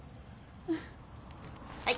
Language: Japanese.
はい。